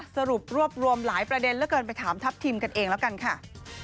สรุปรวบรวมหลายประเด็นเหลือเกินไปถามทัพทิมกันเองแล้วกันค่ะ